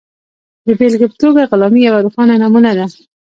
د بېلګې په توګه غلامي یوه روښانه نمونه ده.